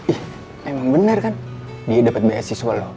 ih emang bener kan dia dapat b s siswa lo